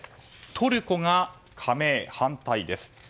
トルコが加盟反対です。